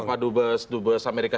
pak dut bes dut bes amerika